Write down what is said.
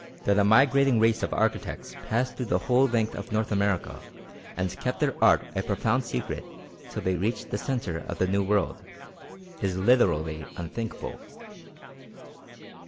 That a migrating race of architects passed through the whole length of North America and kept their art a profound secret till they reached the centre of the New World, is literally unthinkable.